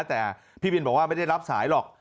แต่พี่บินบอกว่าไม่ได้รับสายหรอก